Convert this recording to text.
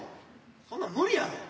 そんなん無理やろ。